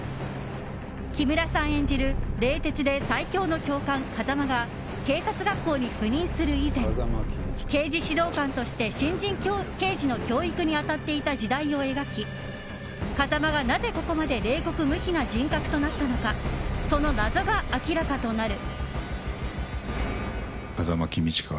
木村さん演じる冷徹で最恐の教官・風間が警察学校に赴任する以前刑事指導官として新人刑事の教育に当たっていた時代を描き風間が、なぜここまで冷酷無比な人格となったのかその謎が明らかとなる。